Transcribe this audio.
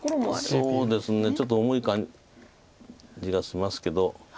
そうですねちょっと重い感じがしますけど。